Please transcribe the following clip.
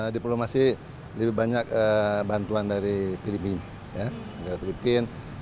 diplomasi lebih banyak bantuan dari pdbin